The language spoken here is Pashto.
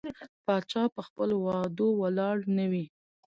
پاچا په خپل وعدو ولاړ نه وي.